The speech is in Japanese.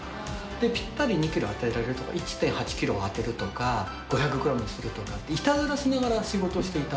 で、ぴったり２キロ当てるとか、１．８キロを当てるとか、５００グラムにするとか、いたずらしながら仕事をしていた。